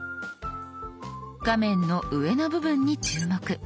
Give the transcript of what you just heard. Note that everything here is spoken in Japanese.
画面の上の部分に注目。